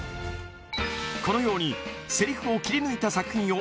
このようにセリフを切り抜いた作品を